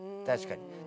確かに。